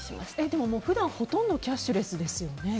でも普段、ほとんどキャッシュレスですよね。